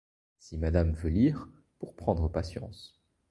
Si madame veut lire, pour prendre patience.